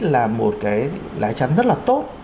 là một cái lái chắn rất là tốt